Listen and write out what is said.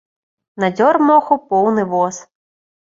Надзёр моху поўны воз.